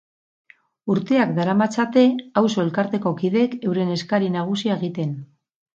Urteak daramatzate auzo elkarteko kideek euren eskari nagusia egiten.